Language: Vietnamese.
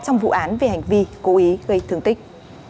trong vụ án về hành vi cố ý gây thương tích